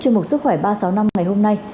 chương mục sức khỏe ba sáu năm ngày hôm nay